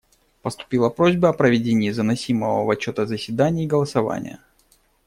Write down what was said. Поступила просьба о проведении заносимого в отчет о заседании голосования.